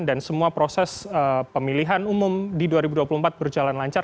dan semua proses pemilihan umum di dua ribu dua puluh empat berjalan lancar